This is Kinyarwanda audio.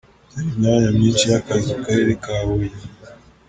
Dore imyanya myinshi y’akazi mu karere ka Huye.